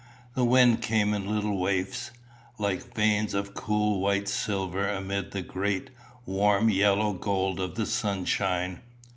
The wind came in little wafts, like veins of cool white silver amid the great, warm, yellow gold of the sunshine.